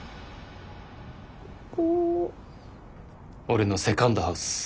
俺のセカンドハウス。